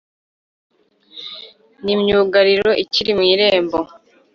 n’imyugariro ikiri mu irembo,